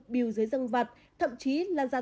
biểu dưới dương vật thậm chí lan ra